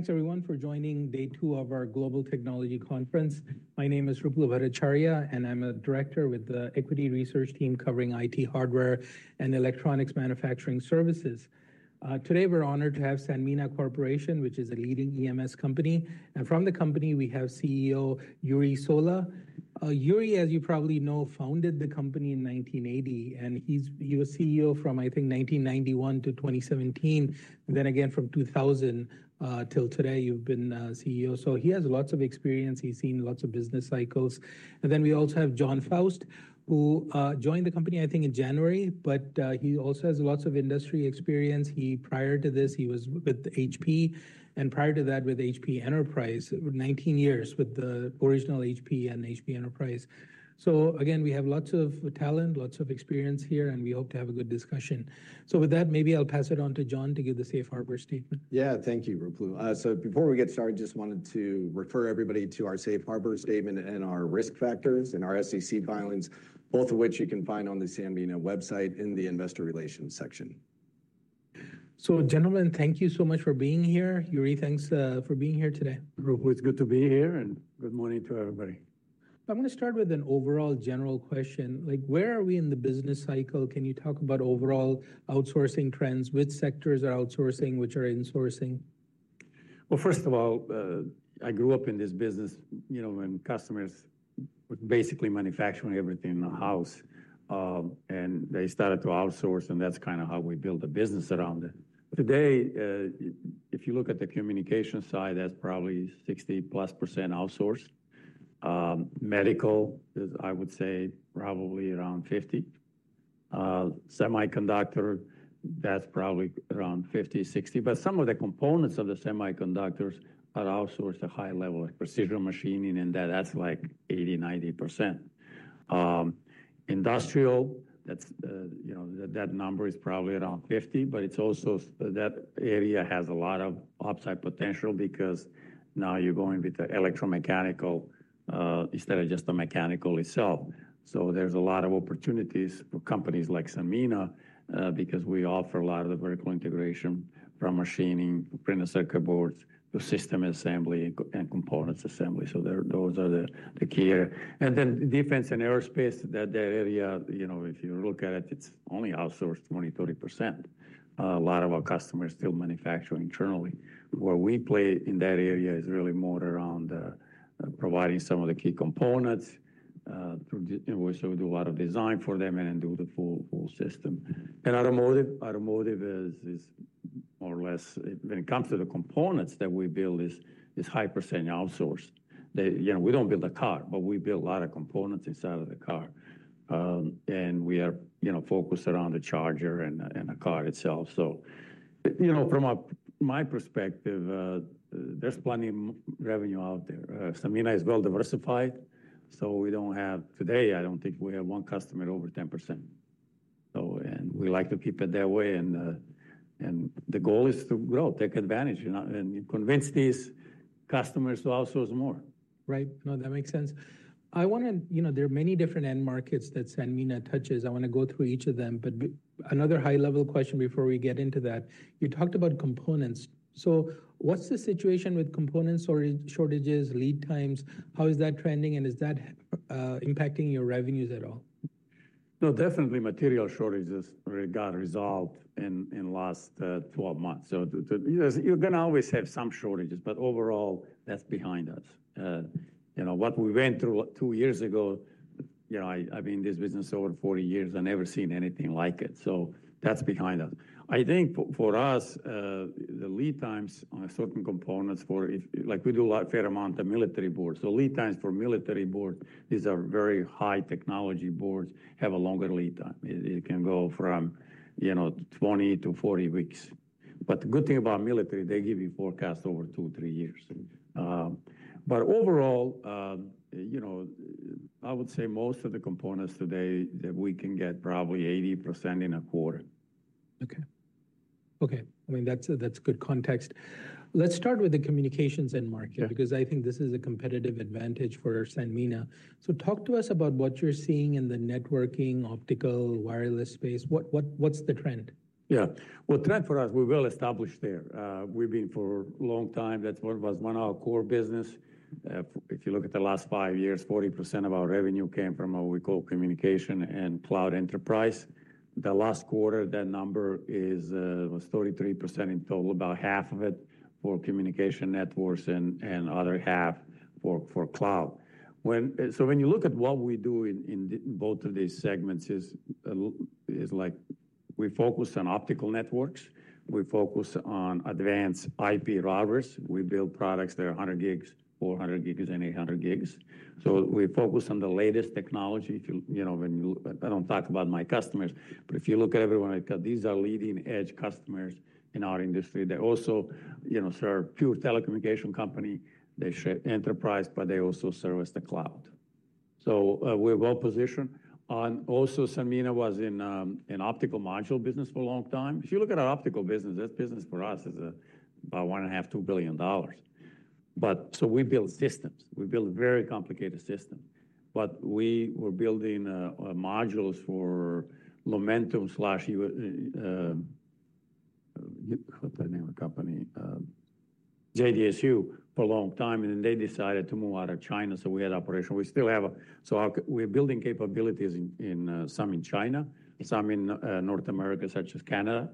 Thanks everyone for joining day two of our Global Technology Conference. My name is Ruplu Bhattacharya, and I'm a director with the equity research team covering IT hardware and electronics manufacturing services. Today, we're honored to have Sanmina Corporation, which is a leading EMS company, and from the company, we have CEO Jure Sola. Jure, as you probably know, founded the company in 1980, and he's, he was CEO from, I think, 1991 to 2017, and then again from 2000 till today, you've been CEO. So he has lots of experience. He's seen lots of business cycles. And then we also have Jon Faust, who joined the company, I think, in January, but he also has lots of industry experience. Prior to this, he was with HP, and prior to that with HP Enterprise, 19 years with the original HP and HP Enterprise. So again, we have lots of talent, lots of experience here, and we hope to have a good discussion. So with that, maybe I'll pass it on to Jon to give the safe harbor statement. Yeah. Thank you, Ruplu. Before we get started, just wanted to refer everybody to our safe harbor statement and our risk factors and our SEC filings, both of which you can find on the Sanmina website in the Investor Relations section. Gentlemen, thank you so much for being here. Jure, thanks, for being here today. Ruplu, it's good to be here, and good morning to everybody. I'm gonna start with an overall general question. Like, where are we in the business cycle? Can you talk about overall outsourcing trends? Which sectors are outsourcing, which are insourcing? Well, first of all, I grew up in this business, you know, when customers were basically manufacturing everything in the house, and they started to outsource, and that's kinda how we built a business around it. Today, if you look at the communication side, that's probably 60+% outsourced. Medical is, I would say, probably around 50. Semiconductor, that's probably around 50, 60, but some of the components of the semiconductors are outsourced to high level of precision machining, and that, that's like 80, 90%. Industrial, that's, you know, that number is probably around 50, but it's also, that area has a lot of upside potential because now you're going with the electromechanical, instead of just the mechanical itself. So there's a lot of opportunities for companies like Sanmina because we offer a lot of the vertical integration from machining, printed circuit boards to system assembly and components assembly. So those are the key area. And then defense and aerospace, that area, you know, if you look at it, it's only outsourced 20%-30%. A lot of our customers still manufacture internally. Where we play in that area is really more around providing some of the key components. So we do a lot of design for them and then do the full system. And automotive is more or less, when it comes to the components that we build, is high percentage outsourced. You know, we don't build a car, but we build a lot of components inside of the car. And we are, you know, focused around the charger and the car itself. So, you know, from my perspective, there's plenty more revenue out there. Sanmina is well diversified, so we don't have, today, I don't think we have one customer over 10%. And we like to keep it that way, and the goal is to grow, take advantage, you know, and convince these customers to outsource more. Right. No, that makes sense. I wanna You know, there are many different end markets that Sanmina touches. I wanna go through each of them, but another high-level question before we get into that: You talked about components. So what's the situation with components or shortages, lead times? How is that trending, and is that impacting your revenues at all? No, definitely material shortages got resolved in the last 12 months. So, you're gonna always have some shortages, but overall, that's behind us. You know, what we went through two years ago, you know, I've been in this business over 40 years. I've never seen anything like it, so that's behind us. I think for us, the lead times on certain components like, we do a fair amount of military boards. So lead times for military boards, these are very high technology boards, have a longer lead time. It can go from, you know, 20-40 weeks. But the good thing about military, they give you forecasts over two, three years. But overall, you know, I would say most of the components today that we can get probably 80% in a quarter. Okay. Okay, I mean, that's a, that's good context. Let's start with the communications end market- Yeah... because I think this is a competitive advantage for Sanmina. So talk to us about what you're seeing in the networking, optical, wireless space. What, what, what's the trend? Yeah. Well, trend for us, we're well established there. We've been for long time. That's what was one of our core business. If you look at the last five years, 40% of our revenue came from what we call communication and cloud enterprise. The last quarter, that number is, was 33% in total, about half of it for communication networks and other half for cloud. So when you look at what we do in both of these segments is like, we focus on optical networks. We focus on advanced IP routers. We build products that are 100G, 400G, and 800G. So we focus on the latest technology, you know. I don't talk about my customers, but if you look at everyone I've got, these are leading-edge customers in our industry. They also, you know, serve pure telecommunication company. They serve enterprise, but they also service the cloud. So, we're well positioned. And also, Sanmina was in optical module business for a long time. If you look at our optical business, this business for us is about $1.5 billion-$2 billion. So we build systems. We build very complicated systems, but we were building modules for Lumentum / Viavi, what the name of the company? JDSU for a long time, and then they decided to move out of China, so we had operation. So we're building capabilities in some in China, some in North America, such as Canada,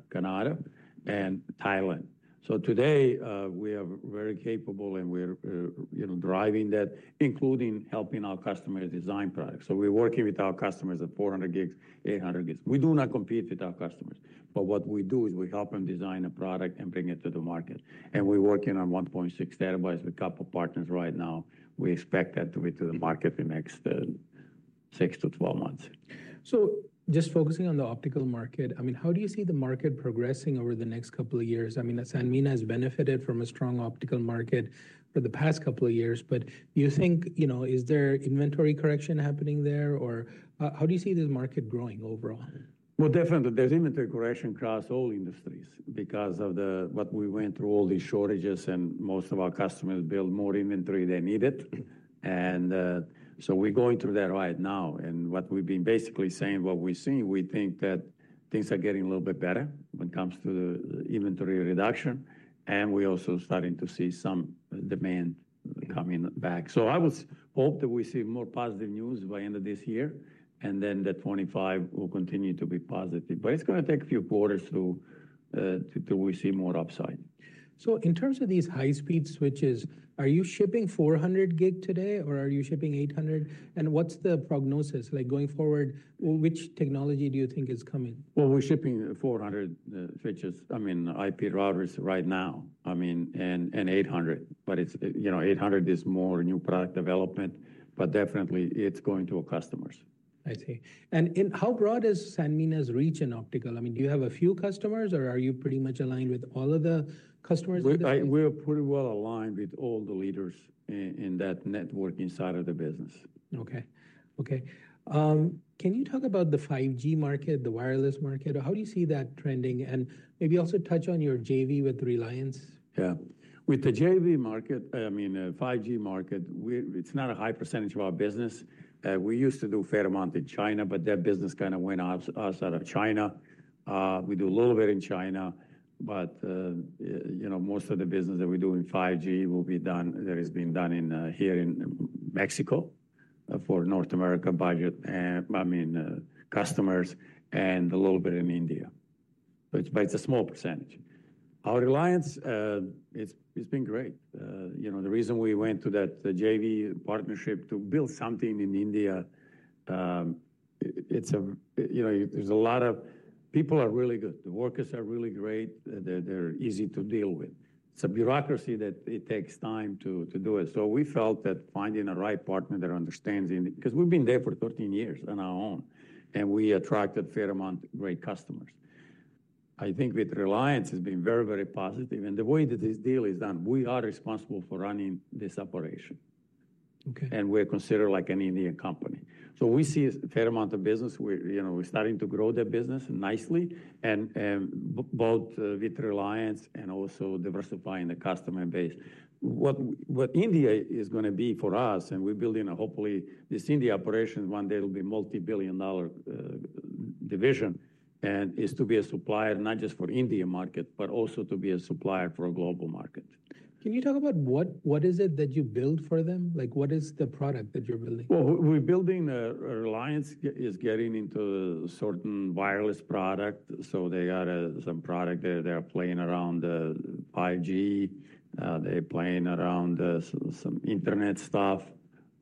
and Thailand. So today, we are very capable and we're, you know, driving that, including helping our customers design products. So we're working with our customers at 400G, 800G. We do not compete with our customers, but what we do is we help them design a product and bring it to the market. And we're working on 1.6T with a couple partners right now. We expect that to be to the market in the next 6-12 months. So just focusing on the optical market, I mean, how do you see the market progressing over the next couple of years? I mean, Sanmina has benefited from a strong optical market for the past couple of years, but you think, you know, is there inventory correction happening there, or, how do you see this market growing overall? Well, definitely, there's inventory correction across all industries because of the, what we went through, all these shortages, and most of our customers build more inventory they needed. And so we're going through that right now. And what we've been basically saying, what we've seen, we think that things are getting a little bit better when it comes to the inventory reduction, and we're also starting to see some demand coming back. So I was hope that we see more positive news by end of this year, and then the 2025 will continue to be positive. But it's gonna take a few quarters to we see more upside. In terms of these high-speed switches, are you shipping 400G today or are you shipping 800G? And what's the prognosis like going forward, which technology do you think is coming? Well, we're shipping 400 switches, I mean, IP routers right now, I mean, and 800. But it's, you know, 800 is more new product development, but definitely it's going to our customers. I see. And how broad is Sanmina's reach in optical? I mean, do you have a few customers, or are you pretty much aligned with all of the customers? We're pretty well aligned with all the leaders in that networking side of the business. Okay. Okay, can you talk about the 5G market, the wireless market? How do you see that trending? And maybe also touch on your JV with Reliance. Yeah. With the JV market, I mean, 5G market, it's not a high percentage of our business. We used to do a fair amount in China, but that business kind of went out, outside of China. We do a little bit in China, but, you know, most of the business that we do in 5G will be done, that is being done in here in Mexico, for North American customers, and a little bit in India, but it's a small percentage. Our Reliance, it's been great. You know, the reason we went to that JV partnership to build something in India, it's a, you know, there's a lot of... People are really good. The workers are really great. They're easy to deal with. It's a bureaucracy that it takes time to do it. So we felt that finding the right partner that understands India, because we've been there for 13 years on our own, and we attracted a fair amount of great customers. I think with Reliance, it's been very, very positive. And the way that this deal is done, we are responsible for running this operation. Okay. We're considered like an Indian company. We see a fair amount of business. We're, you know, we're starting to grow the business nicely and both with Reliance and also diversifying the customer base. What India is gonna be for us, and we're building a, hopefully, this India operation, one day it'll be multi-billion dollar division, and is to be a supplier, not just for India market, but also to be a supplier for a global market. Can you talk about what, what is it that you build for them? Like, what is the product that you're building? Well, we're building a. Reliance is getting into certain wireless product. So they got some product there. They're playing around the 5G, they're playing around some internet stuff.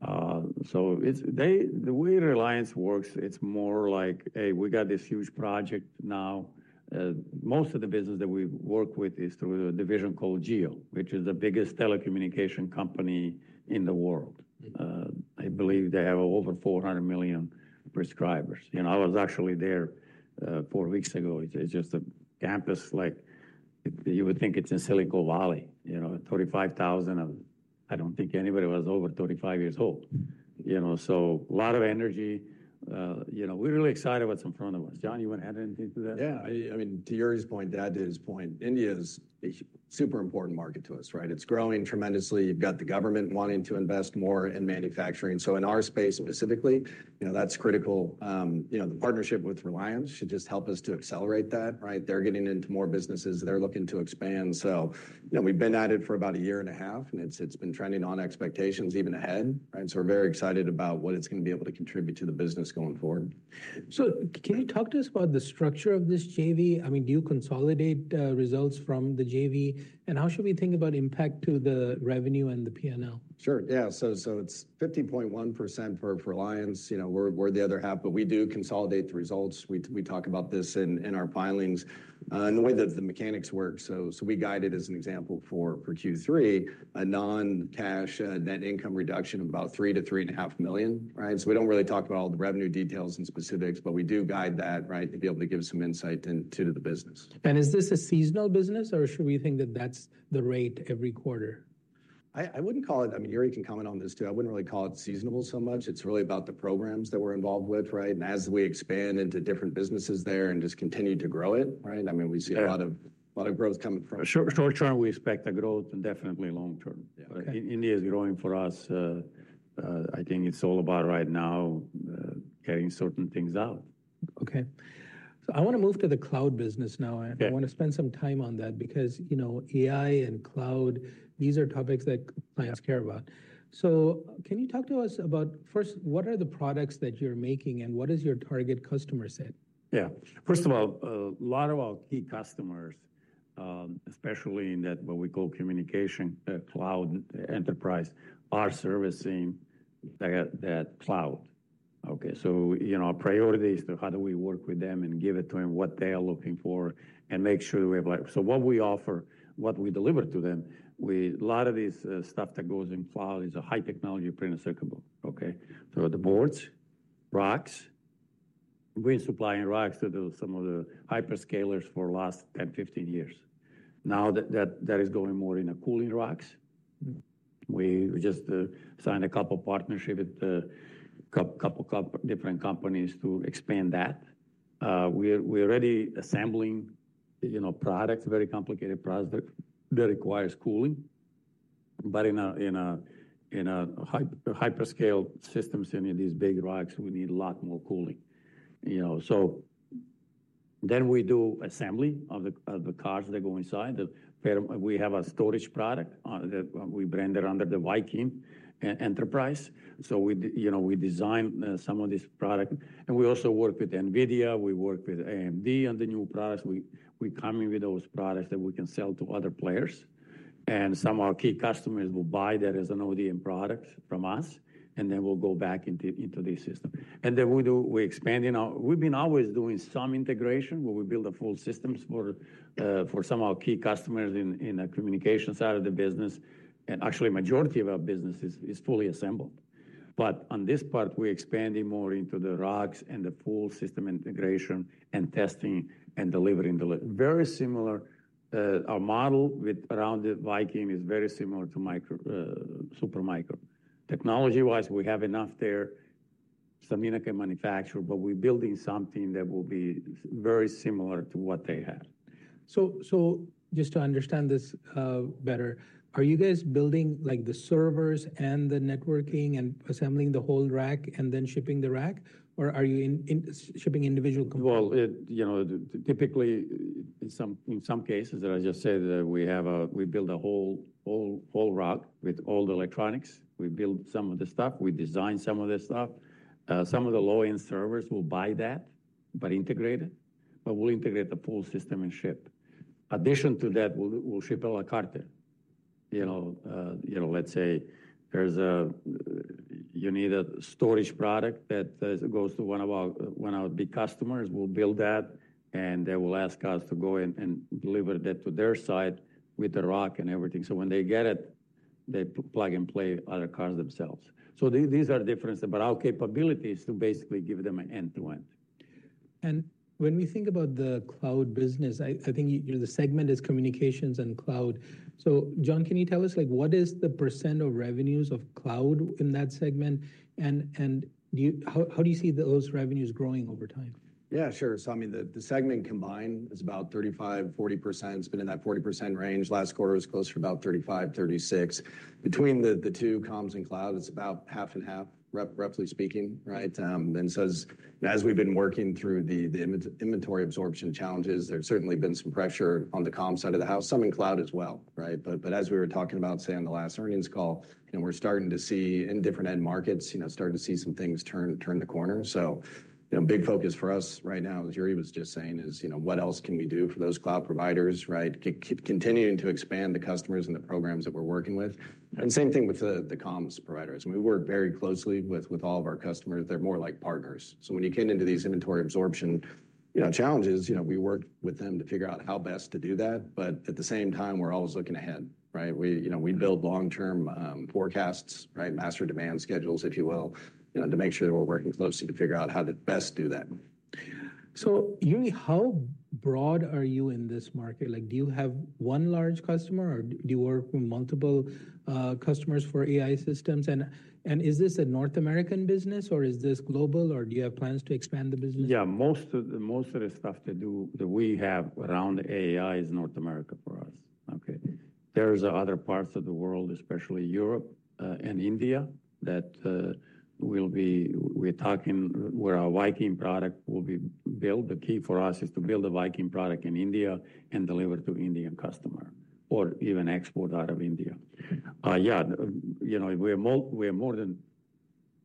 So it's, they, the way Reliance works, it's more like, a, we got this huge project now. Most of the business that we work with is through a division called Jio, which is the biggest telecommunications company in the world. Mm. I believe they have over 400 million subscribers. You know, I was actually there, four weeks ago. It's just a campus like you would think it's in Silicon Valley, you know, 35,000 of I don't think anybody was over 35 years old. You know, so a lot of energy. You know, we're really excited what's in front of us. Jon, you want to add anything to that? Yeah, I mean, to Jure's point, to add to his point, India is a super important market to us, right? It's growing tremendously. You've got the government wanting to invest more in manufacturing. So in our space specifically, you know, that's critical. You know, the partnership with Reliance should just help us to accelerate that, right? They're getting into more businesses. They're looking to expand. So, you know, we've been at it for about a year and a half, and it's been trending on expectations even ahead, right? So we're very excited about what it's going to be able to contribute to the business going forward. So can you talk to us about the structure of this JV? I mean, do you consolidate, results from the JV? And how should we think about impact to the revenue and the P&L? Sure. Yeah, so it's 50.1% for Reliance. You know, we're the other half, but we do consolidate the results. We talk about this in our filings. And the way that the mechanics work, so we guide it as an example for Q3, a non-cash net income reduction of about $3 million-$3.5 million, right? So we don't really talk about all the revenue details and specifics, but we do guide that, right, to be able to give some insight into the business. Is this a seasonal business or should we think that that's the rate every quarter? I wouldn't call it I mean, Jure can comment on this too. I wouldn't really call it seasonal so much. It's really about the programs that we're involved with, right? And as we expand into different businesses there and just continue to grow it, right? I mean, we see- Yeah... a lot of, a lot of growth coming from- Short-term, short term, we expect a growth and definitely long term. Yeah. Okay. India is growing for us. I think it's all about right now carrying certain things out. Okay. So I want to move to the cloud business now. Okay. I want to spend some time on that because, you know, AI and cloud, these are topics that clients care about. So can you talk to us about, first, what are the products that you're making, and what is your target customer set? Yeah. First of all, a lot of our key customers, especially in that what we call communication cloud enterprise, are servicing that cloud. Okay, so you know, our priority is to how do we work with them and give it to them, what they are looking for, and make sure we have like. So what we offer, what we deliver to them, a lot of this stuff that goes in cloud is a high technology printed circuit board, okay? So the boards, racks. We've been supplying racks to some of the hyperscalers for last 10, 15 years. Now that is going more in the cooling racks. We just signed a couple partnership with couple different companies to expand that. We're already assembling, you know, products, very complicated products that requires cooling. But in hyperscale systems in these big racks, we need a lot more cooling, you know. So then we do assembly of the cards that go inside, where we have a storage product that we branded under the Viking Enterprise. So we, you know, we design some of this product, and we also work with NVIDIA, we work with AMD on the new products. We come in with those products that we can sell to other players, and some of our key customers will buy that as an ODM product from us, and then we'll go back into the system. And then we do. We're expanding our. We've been always doing some integration, where we build full systems for some of our key customers in the communication side of the business. And actually, majority of our business is, is fully assembled. But on this part, we're expanding more into the racks and the full system integration and testing and delivering the very similar, our model with around the Viking is very similar to Micro, Super Micro. Technology-wise, we have enough there, so we not can manufacture, but we're building something that will be very similar to what they have. So, just to understand this better, are you guys building, like, the servers and the networking and assembling the whole rack and then shipping the rack? Or are you in shipping individual components? Well, you know, typically in some cases, as I just said, we build a whole rack with all the electronics. We build some of the stuff, we design some of the stuff. Some of the low-end servers, we'll buy that but integrate it, but we'll integrate the full system and ship. In addition to that, we'll ship a la carte. You know, let's say you need a storage product that goes to one of our big customers. We'll build that, and they will ask us to go and deliver that to their site with the rack and everything. So when they get it, they plug and play other parts themselves. So these are the differences, but our capability is to basically give them an end-to-end. And when we think about the cloud business, I think, you know, the segment is communications and cloud. So John, can you tell us, like, what is the percent of revenues of cloud in that segment? And, how do you see those revenues growing over time? Yeah, sure. So I mean, the segment combined is about 35-40%. It's been in that 40% range. Last quarter, it was close to about 35-36. Between the two, comms and cloud, it's about 50/50, roughly speaking, right? Then so as we've been working through the inventory absorption challenges, there's certainly been some pressure on the comms side of the house, some in cloud as well, right? But as we were talking about, say, on the last earnings call, you know, we're starting to see in different end markets, you know, starting to see some things turn the corner. So, you know, big focus for us right now, as Jure was just saying, is, you know, what else can we do for those cloud providers, right? Continuing to expand the customers and the programs that we're working with. And same thing with the, the comms providers. We work very closely with, with all of our customers. They're more like partners. So when you get into these inventory absorption, you know, challenges, you know, we work with them to figure out how best to do that. But at the same time, we're always looking ahead, right? We, you know, we build long-term, forecasts, right? Master demand schedules, if you will, you know, to make sure that we're working closely to figure out how best to do that. So Jure, how broad are you in this market? Like, do you have one large customer, or do you work with multiple, customers for AI systems? And, and is this a North American business, or is this global, or do you have plans to expand the business? Yeah, most of the, most of the stuff to do, that we have around AI is North America for us, okay? There are other parts of the world, especially Europe, and India, that we'll be-- we're talking where our Viking product will be built. The key for us is to build a Viking product in India and deliver to Indian customer or even export out of India. Yeah, you know, we're more than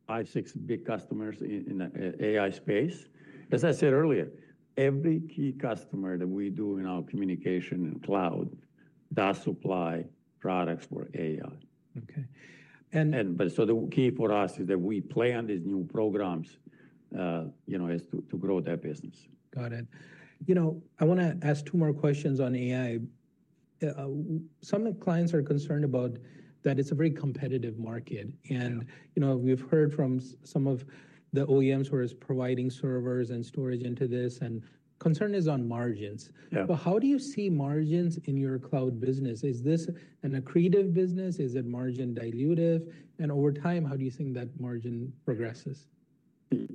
five or six big customers in the AI space. As I said earlier, every key customer that we do in our communication and cloud, does supply products for AI. Okay. And- The key for us is that we plan these new programs, you know, is to grow that business. Got it. You know, I wanna ask two more questions on AI. Some clients are concerned about that it's a very competitive market- Yeah... and, you know, we've heard from some of the OEMs who are providing servers and storage into this, and concern is on margins. Yeah. How do you see margins in your cloud business? Is this an accretive business? Is it margin dilutive? Over time, how do you think that margin progresses?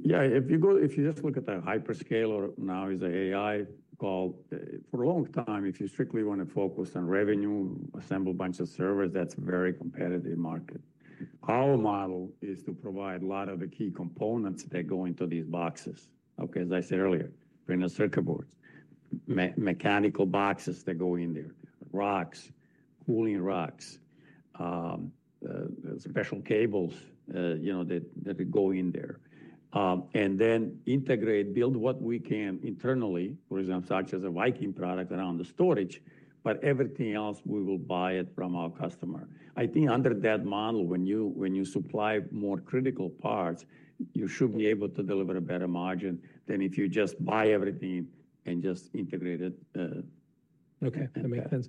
Yeah, if you go. If you just look at the hyperscaler, now is a AI call. For a long time, if you strictly want to focus on revenue, assemble a bunch of servers, that's a very competitive market. Our model is to provide a lot of the key components that go into these boxes. Okay, as I said earlier, printed circuit boards, mechanical boxes that go in there, racks, cooling racks, special cables, you know, that, that go in there. And then integrate, build what we can internally, for example, such as a Viking product around the storage, but everything else, we will buy it from our customer. I think under that model, when you, when you supply more critical parts, you should be able to deliver a better margin than if you just buy everything and just integrate it. Okay, that makes sense.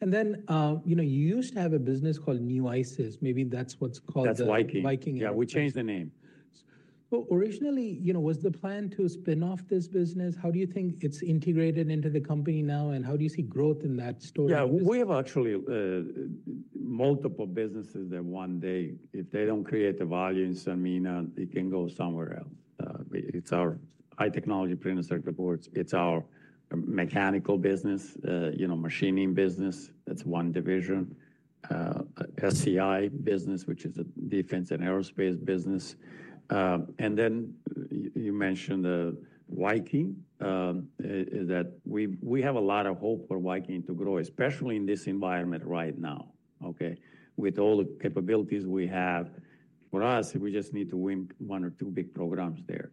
And then, you know, you used to have a business called Newisys. Maybe that's what's called the- That's Viking. Viking. Yeah, we changed the name. Well, originally, you know, was the plan to spin off this business? How do you think it's integrated into the company now, and how do you see growth in that storage? Yeah, we have actually multiple businesses that one day, if they don't create the value in Sanmina, it can go somewhere else. It's our high technology printed circuit boards, it's our mechanical business, you know, machining business, that's one division. SCI business, which is a defense and aerospace business. And then you mentioned the Viking that we have a lot of hope for Viking to grow, especially in this environment right now, okay? With all the capabilities we have. For us, we just need to win one or two big programs there.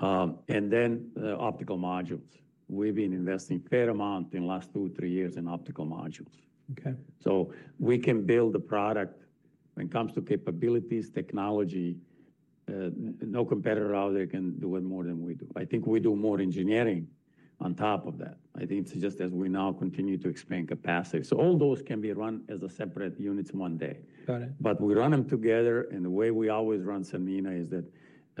And then optical modules. We've been investing fair amount in last two-three years in optical modules. Okay. So we can build a product. When it comes to capabilities, technology, no competitor out there can do it more than we do. I think we do more engineering on top of that. I think it's just as we now continue to expand capacity. So all those can be run as a separate units one day. Got it. But we run them together, and the way we always run Sanmina is that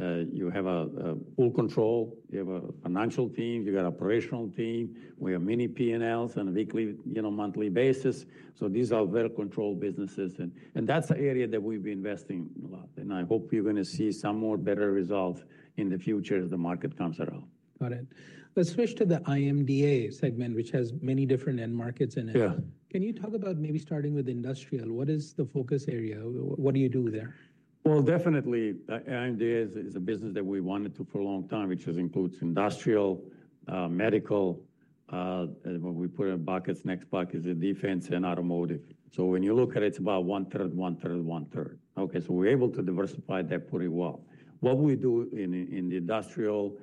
you have a full control, you have a financial team, you got operational team, we have mini P&Ls on a weekly, you know, monthly basis. So these are well-controlled businesses, and that's the area that we've been investing in a lot. And I hope you're gonna see some more better results in the future as the market comes around. Got it. Let's switch to the IMD&A segment, which has many different end markets in it. Yeah. Can you talk about maybe starting with industrial? What is the focus area? What do you do there? Well, definitely, IMD&A is a business that we wanted to for a long time, which includes industrial, medical, when we put in buckets, next bucket is defense and automotive. So when you look at it, it's about 1/3, 1/3, 1/3. Okay, so we're able to diversify that pretty well. What we do in the industrial,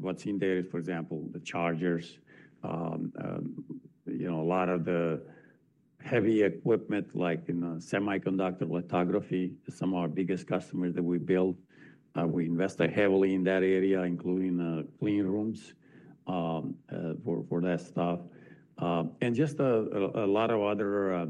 what's in there is, for example, the chargers, you know, a lot of the heavy equipment, like in semiconductor lithography, some of our biggest customers that we build. We invested heavily in that area, including clean rooms for that stuff. And just a lot of other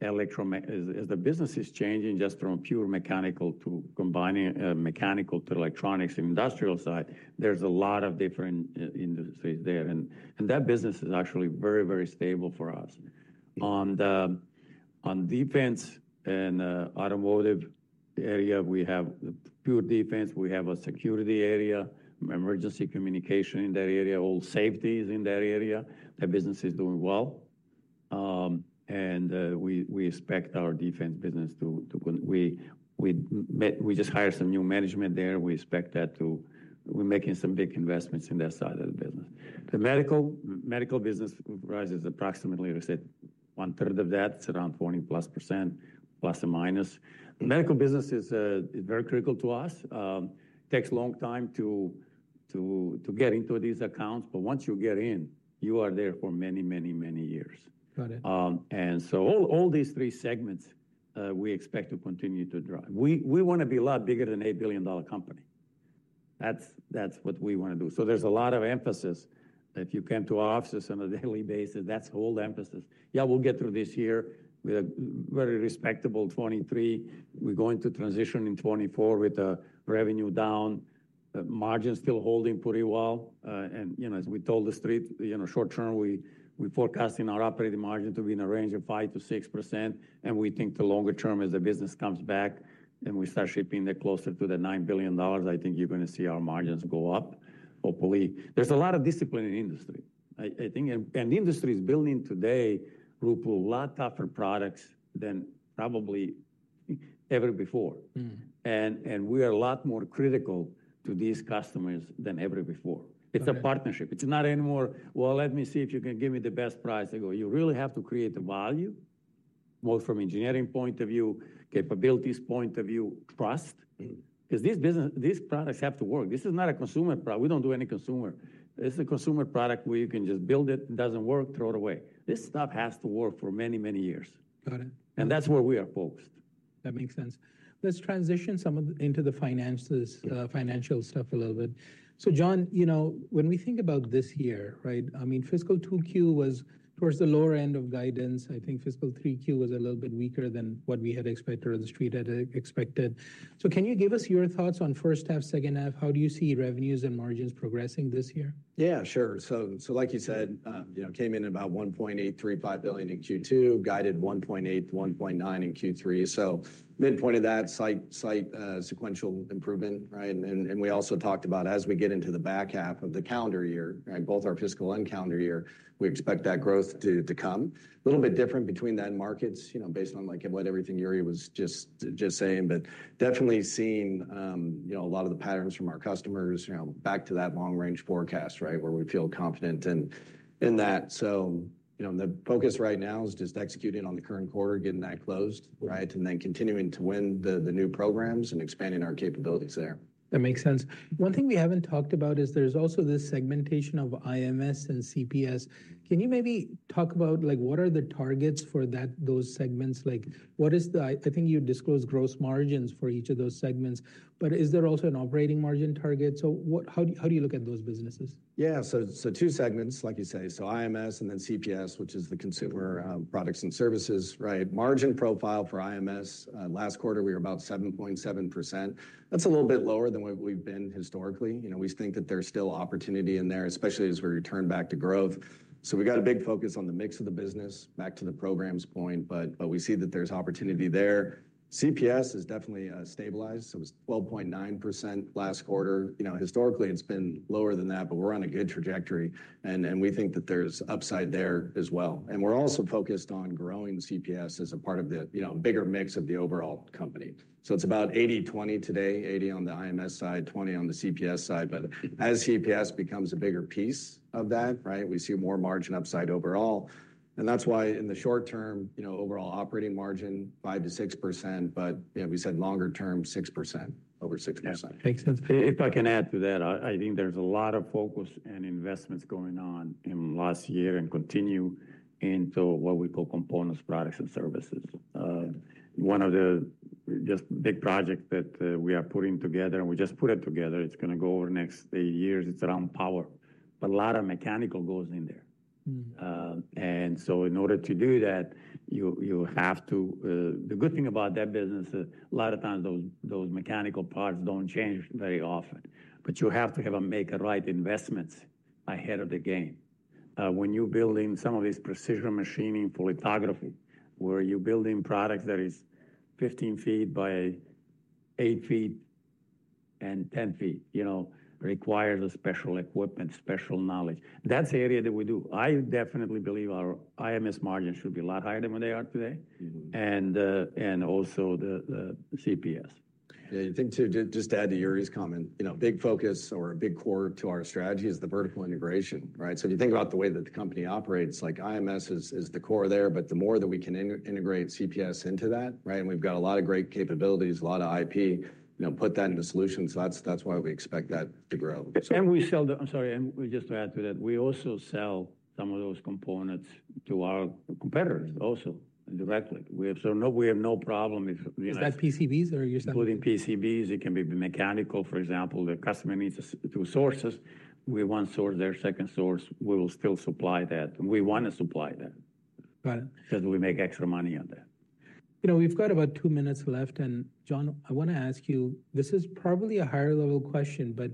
electromechanical—as the business is changing, just from pure mechanical to combining mechanical to electronics, industrial side, there's a lot of different industries there, and that business is actually very, very stable for us. On the defense and automotive area, we have pure defense, we have a security area, emergency communication in that area, all safety is in that area. That business is doing well. We expect our defense business to continue we just hired some new management there. We expect that to... We're making some big investments in that side of the business. The medical business rises approximately, let's say, one third of that, it's around 40%, ±. Medical business is very critical to us. Takes a long time to get into these accounts, but once you get in, you are there for many, many, many years. Got it. All these three segments, we expect to continue to drive. We wanna be a lot bigger than a billion-dollar company. That's what we wanna do. There's a lot of emphasis that you come to our offices on a daily basis, that's the whole emphasis. Yeah, we'll get through this year with a very respectable 2023. We're going to transition in 2024 with revenue down, margin still holding pretty well. You know, as we told the street, you know, short term, we forecasting our operating margin to be in a range of 5%-6%, and we think the longer term, as the business comes back and we start shipping that closer to the $9 billion, I think you're gonna see our margins go up, hopefully. There's a lot of discipline in industry. I think the industry is building today, Rupe, a lot tougher products than probably ever before. Mm. We are a lot more critical to these customers than ever before. Okay. It's a partnership. It's not anymore, "Well, let me see if you can give me the best price." You go, "You really have to create the value, both from engineering point of view, capabilities point of view, trust. Mm. Because this business, these products have to work. This is not a consumer product. We don't do any consumer. This is a consumer product where you can just build it, it doesn't work, throw it away. This stuff has to work for many, many years. Got it. That's where we are focused. That makes sense. Let's transition into the finances. Yeah... financial stuff a little bit. So Jon, you know, when we think about this year, right, I mean, fiscal 2Q was towards the lower end of guidance. I think fiscal 3Q was a little bit weaker than what we had expected or the street had expected. So can you give us your thoughts on first half, second half? How do you see revenues and margins progressing this year? Yeah, sure. So, like you said, you know, came in about $1.835 billion in Q2, guided $1.8-$1.9 in Q3. So midpoint of that, slight sequential improvement, right? And we also talked about as we get into the back half of the calendar year, right, both our fiscal and calendar year, we expect that growth to come.... A little bit different between that and markets, you know, based on like what everything Yuri was just saying, but definitely seeing, you know, a lot of the patterns from our customers, you know, back to that long-range forecast, right? Where we feel confident and in that. So, you know, the focus right now is just executing on the current quarter, getting that closed, right? And then continuing to win the new programs and expanding our capabilities there. That makes sense. One thing we haven't talked about is there's also this segmentation of IMS and CPS. Can you maybe talk about like, what are the targets for that, those segments? Like, I, I think you disclosed gross margins for each of those segments, but is there also an operating margin target? So how do you, how do you look at those businesses? Yeah. So two segments, like you say. So IMS, and then CPS, which is the components products and services, right? Margin profile for IMS last quarter, we were about 7.7%. That's a little bit lower than what we've been historically. You know, we think that there's still opportunity in there, especially as we return back to growth. So we got a big focus on the mix of the business, back to the programs point, but we see that there's opportunity there. CPS is definitely stabilized, so it's 12.9% last quarter. You know, historically, it's been lower than that, but we're on a good trajectory, and we think that there's upside there as well. And we're also focused on growing CPS as a part of the, you know, bigger mix of the overall company. It's about 80/20 today, 80 on the IMS side, 20 on the CPS side, but as CPS becomes a bigger piece of that, right, we see more margin upside overall. And that's why in the short term, you know, overall operating margin, 5%-6%, but, yeah, we said longer-term, 6%, over 6%. Makes sense. If I can add to that, I think there's a lot of focus and investments going on in last year and continue into what we call components, products, and services. One of the just big project that we are putting together, and we just put it together, it's gonna go over the next eight years. It's around power, but a lot of mechanical goes in there. Mm. And so in order to do that, you have to... The good thing about that business is a lot of times, those mechanical parts don't change very often, but you have to make the right investments ahead of the game. When you're building some of these precision machining photolithography, where you're building products that are 15 ft by 8 ft and 10 ft, you know, requires special equipment, special knowledge. That's the area that we do. I definitely believe our IMS margin should be a lot higher than what they are today. Mm-hmm. and also the CPS. Yeah, I think to just add to Jure's comment, you know, big focus or a big core to our strategy is the vertical integration, right? So if you think about the way that the company operates, like IMS is the core there, but the more that we can integrate CPS into that, right? And we've got a lot of great capabilities, a lot of IP, you know, put that into solutions. So that's why we expect that to grow. And we sell the I'm sorry, and just to add to that, we also sell some of those components to our competitors also, directly. We have no problem if- Is that PCBs or you're saying- Including PCBs, it can be mechanical, for example, the customer needs two sources. We one source, their second source, we will still supply that. We want to supply that- Got it. because we make extra money on that. You know, we've got about two minutes left, and Jon, I wanna ask you, this is probably a higher-level question, but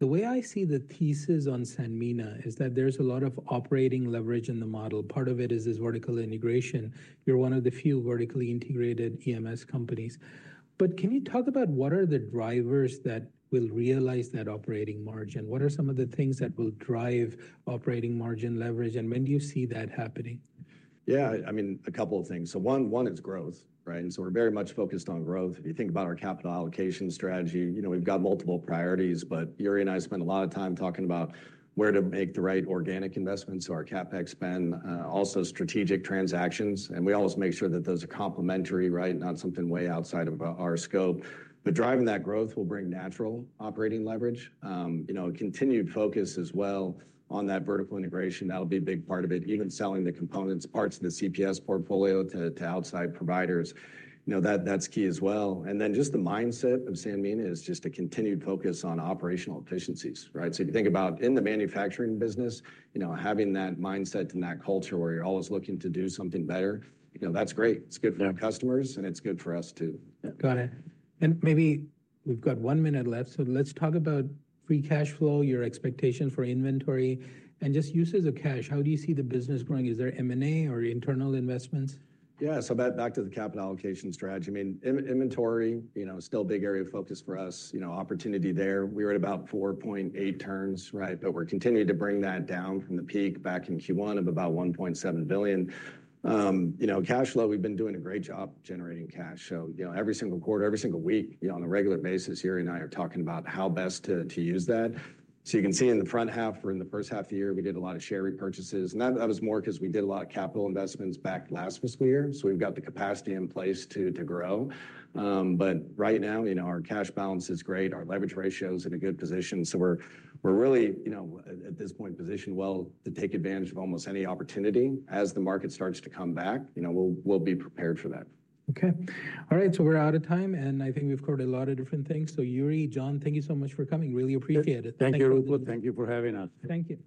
the way I see the thesis on Sanmina is that there's a lot of operating leverage in the model. Part of it is this vertical integration. You're one of the few vertically integrated EMS companies. But can you talk about what are the drivers that will realize that operating margin? What are some of the things that will drive operating margin leverage, and when do you see that happening? Yeah, I mean, a couple of things. So one, one is growth, right? And so we're very much focused on growth. If you think about our capital allocation strategy, you know, we've got multiple priorities, but Jure and I spend a lot of time talking about where to make the right organic investments, so our CapEx spend, also strategic transactions, and we always make sure that those are complementary, right? Not something way outside of our scope. But driving that growth will bring natural operating leverage. You know, a continued focus as well on that vertical integration, that'll be a big part of it, even selling the components, parts of the CPS portfolio to, to outside providers. You know, that, that's key as well. And then just the mindset of Sanmina is just a continued focus on operational efficiencies, right? So if you think about in the manufacturing business, you know, having that mindset and that culture where you're always looking to do something better, you know, that's great. It's good for- Yeah... our customers, and it's good for us, too. Got it. Maybe we've got one minute left, so let's talk about free cash flow, your expectation for inventory, and just uses of cash. How do you see the business growing? Is there M&A or internal investments? Yeah, so back to the capital allocation strategy. I mean, inventory, you know, still a big area of focus for us, you know, opportunity there. We're at about 4.8 turns, right? But we're continuing to bring that down from the peak back in Q1 of about $1.7 billion. You know, cash flow, we've been doing a great job generating cash. So, you know, every single quarter, every single week, you know, on a regular basis, Jure and I are talking about how best to use that. So you can see in the front half or in the first half of the year, we did a lot of share repurchases, and that was more because we did a lot of capital investments back last fiscal year, so we've got the capacity in place to grow. But right now, you know, our cash balance is great, our leverage ratio is in a good position, so we're really, you know, at this point, positioned well to take advantage of almost any opportunity. As the market starts to come back, you know, we'll be prepared for that. Okay. All right, so we're out of time, and I think we've covered a lot of different things. So Jure, Jon, thank you so much for coming. Really appreciate it. Thank you, Ruplu. Thank you for having us. Thank you.